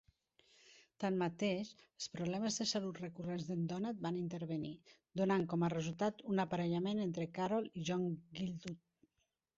Tanmateix, els problemes de salut recurrents d'en Donat van intervenir, donant com a resultat un aparellament entre Carroll i John Gielgud.